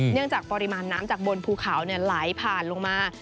จากปริมาณน้ำจากบนภูเขาไหลผ่านลงมา